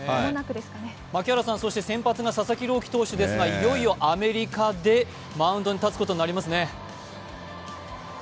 槙原さん、先発が佐々木朗希投手ですがいよいよアメリカでマウンドに立つことになりますね。